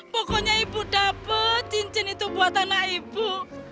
pokoknya ibu dapat cincin itu buat anak ibu